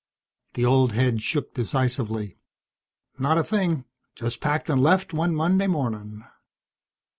The old head shook decisively. "Not a thing. Just packed and left, one Monday morning."